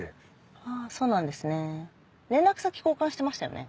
あそうなんですね連絡先交換してましたよね？